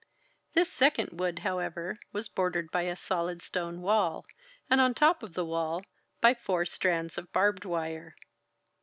This second wood, however, was bordered by a solid stone wall, and on top of the wall, by four strands of barbed wire.